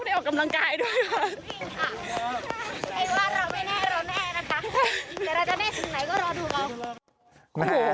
เดี๋ยวราชาเนสไหนก็รอดูแล้ว